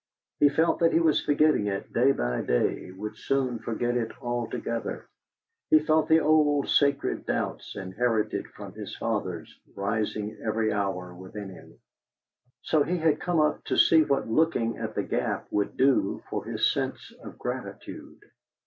He felt that he was forgetting it day by day would soon forget it altogether. He felt the old sacred doubts inherited from his fathers rising every hour within him. And so he had come up to see what looking at the gap would do for his sense of gratitude.